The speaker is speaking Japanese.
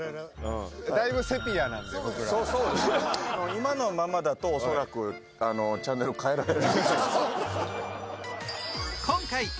今のままだと恐らくチャンネル変えられる。